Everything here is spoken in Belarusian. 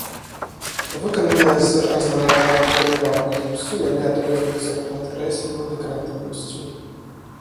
Выкананыя з размаляванага дрэва або гіпсу, яны адрозніваюцца падкрэсленай дэкаратыўнасцю.